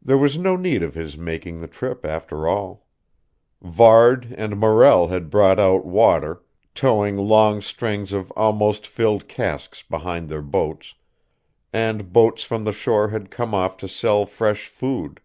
There was no need of his making the trip, after all. Varde and Morrell had brought out water, towing long strings of almost filled casks behind their boats; and boats from the shore had come off to sell fresh food.